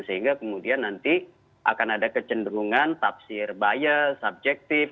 sehingga kemudian nanti akan ada kecenderungan tafsir bias subjektif